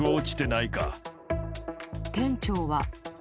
店長は。